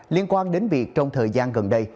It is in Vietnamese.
liên quan đến việc trong thời gian gần đây